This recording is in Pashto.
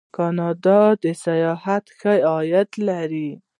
کاناډا د سیاحت ښه عاید لري.